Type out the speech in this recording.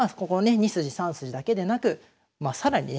２筋３筋だけでなく更にね